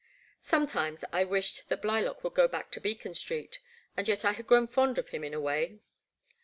Sometimes I wished that Blylock would go back to Beacon Street, and yet I had grown fond of him in a way.